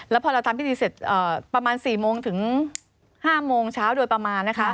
แล้วพอเราทำพิธีเสร็จประมาณ๔โมงถึง๕โมงเช้าโดยประมาณนะคะ